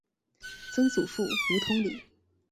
曾祖父胡通礼。